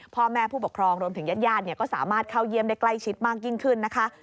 พ่อแม่ผู้ปกครองรวมถึงญาติก็สามารถเข้าเยี่ยมได้ใกล้ชิดมากยิ่งขึ้นนะคะ